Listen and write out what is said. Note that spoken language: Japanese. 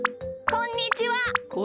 こんにちは。